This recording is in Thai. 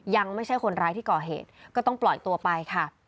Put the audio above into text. ยังไม่ใช่คนร้ายที่ก่อเหตุก็ต้องปล่อยตัวไปค่ะ